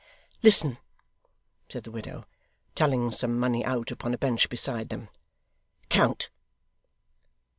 'Listen,' said the widow, telling some money out, upon a bench beside them. 'Count.